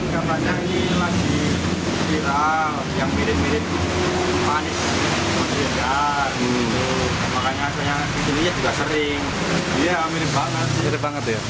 tapi nggak kepikiran kalau dia mirip